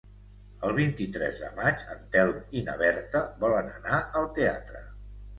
El vint-i-tres de maig en Telm i na Berta volen anar al teatre.